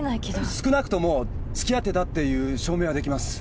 少なくともつきあってたっていう証明はできます。